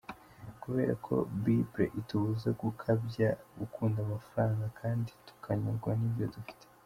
Kubera ko bible itubuza gukabya gukunda amafaranga kandi tukanyurwa n’ibyo dufite.